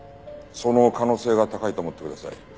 その可能性が高いと思ってください。